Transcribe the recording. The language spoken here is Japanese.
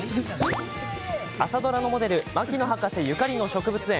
朝ドラのモデル牧野博士ゆかりの植物園。